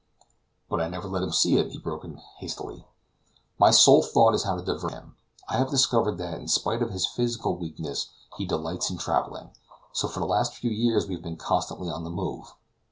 "But I never let him see it," he broke in hastily. "My sole thought is how to divert him. I have discovered that, in spite of his physical weakness, he delights in traveling; so for the last few years we have been constantly on the move.